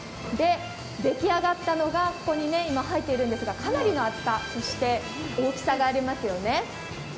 出来上がったのがここに入っているんですけれども、かなりの厚さそして大きさがありますね。